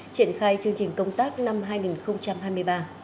triển khai chương trình công tác năm hai nghìn hai mươi ba